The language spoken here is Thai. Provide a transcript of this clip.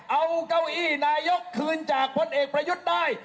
เอาเก้าอี้นายกคืนจากพลเอกประยุทธ์ได้